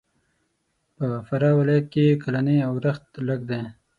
په فراه ولایت کښې کلنی اورښت لږ دی.